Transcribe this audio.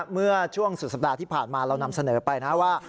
เมื่อช่วงสุดสัปดาห์ที่ผ่านมาเรานำเสนอไปนะว่า